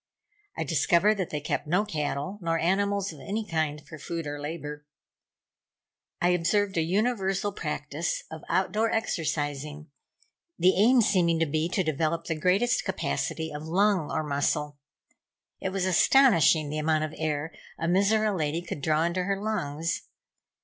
I discovered that they kept no cattle, nor animals of any kind for food or labor. I observed a universal practice of outdoor exercising; the aim seeming to be to develop the greatest capacity of lung or muscle. It was astonishing the amount of air a Mizora lady could draw into her lungs.